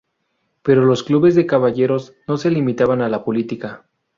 Pero los clubes de caballeros no se limitaban a la política.